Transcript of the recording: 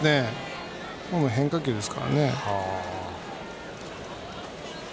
変化球ですからね。